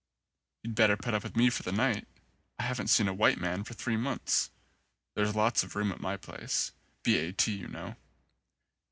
"You'd better put up with me for the night. I haven't seen a white man for three months. There's lots of room at my place. B. A. T. you know."